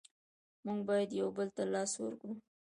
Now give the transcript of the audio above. مونږ باید یو بل ته لاس ورکړو.